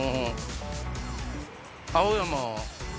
青山。